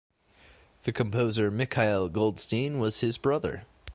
The composer Mikhail Goldstein was his brother.